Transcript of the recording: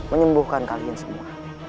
menyembuhkan kalian semua